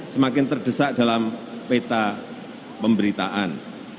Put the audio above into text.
semakin terdesak dalam peta pemberitaan